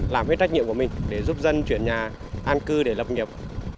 làm hết trách nhiệm của mình để giúp dân chuyển nhà an cư để lập nhập